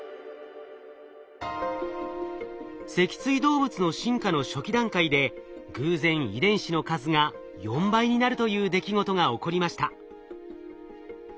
脊椎動物の進化の初期段階で偶然遺伝子の数が４倍になるという出来事が起こりました。